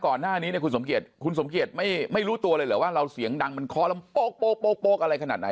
ก่อนหน้านี้เนี่ยคุณสมเกียจคุณสมเกียจไม่รู้ตัวเลยเหรอว่าเราเสียงดังมันเคาะลำโป๊กอะไรขนาดไหน